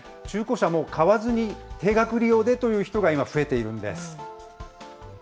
中古車も買わずに定額利用でという人が今、増えているんです。